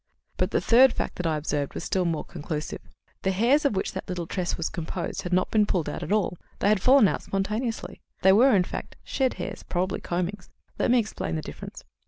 But the third fact that I observed was still more conclusive. The hairs of which that little tress was composed had not been pulled out at all. They had fallen out spontaneously. They were, in fact, shed hairs probably combings. Let me explain the difference.